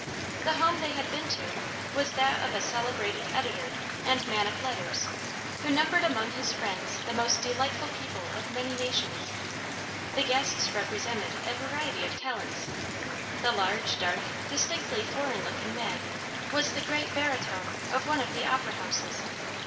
The home they had been to was that of a celebrated editor and man of letters who numbered among his friends the most delightful people of many nations. The guests represented a variety of talents. The large, dark, distinctly foreign looking man was the great baritone of one of the opera houses.